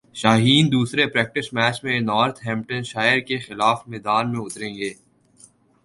شاہین دوسرے practice match میں Northamptonshire کیخلاف میدان میں اتریں گے